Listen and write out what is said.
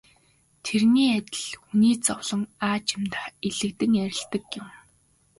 Тэрний адил хүний зовлон аажимдаа элэгдэн арилдаг юм.